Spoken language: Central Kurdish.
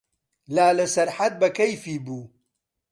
لالە سەرحەد بە کەیفی بوو.